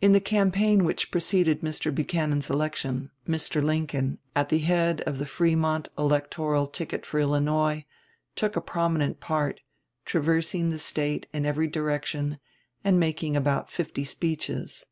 In the campaign which preceded Mr. Buchanan's election, Mr. Lincoln, at the head of the Frémont electoral ticket for Illinois, took a prominent part, traversing the State in every direction, and making about fifty speeches.